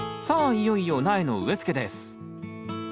いよいよ苗の植え付けです。